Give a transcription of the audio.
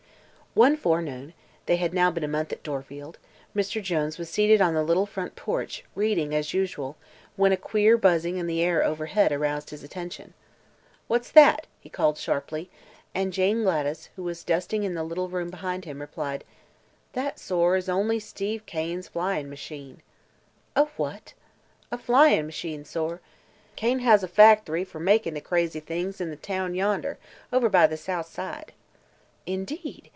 One forenoon they had now been a month at Dorfield Mr. Jones was seated on the little front porch, reading as usual, when a queer buzzing in the air overhead aroused his attention. "What's that?" he called sharply, and Jane Gladys, who was dusting in the little room behind him, replied: "That, sor, is only Steve Kane's flyin' machine." "A what?" "A flyin' machine, sor. Kane has a facthry fer makin' the crazy things in the town yonder over by the South Side." "Indeed!"